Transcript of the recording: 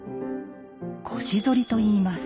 「腰反り」と言います。